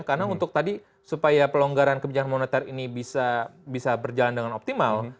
karena untuk tadi supaya pelonggaran kebijakan moneter ini bisa berjalan dengan optimal